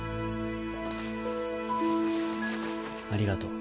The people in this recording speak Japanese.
ありがとう。